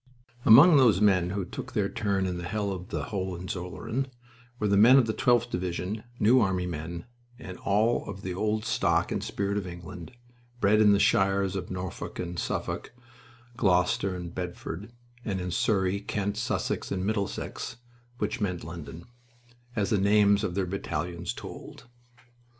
Among those who took their turn in the hell of the Hohenzollern were the men of the 12th Division, New Army men, and all of the old stock and spirit of England, bred in the shires of Norfolk and Suffolk, Gloucester and Bedford, and in Surrey, Kent, Sussex, and Middlesex (which meant London), as the names of their battalions told.